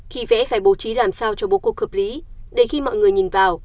khi vẽ phải bố trí làm sao cho bố cuộc hợp lý để khi mọi người nhìn vào